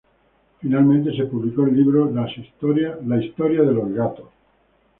Finalmente se publicó el libro "La historia de Los Gatos.